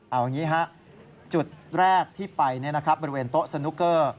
เอาอย่างนี้ฮะจุดแรกที่ไปบริเวณโต๊ะสนุกเกอร์